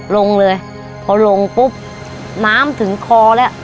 ลงเลยพอลงปุ๊บน้ำถึงคอแล้ว